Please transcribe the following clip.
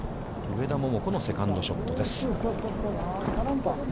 上田桃子のセカンドショットです。